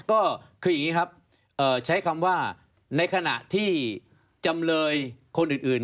ก็คืออย่างนี้ครับใช้คำว่าในขณะที่จำเลยคนอื่น